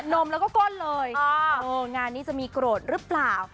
นมแล้วก็ก้นเลยงานนี้จะมีโกรธหรือเปล่า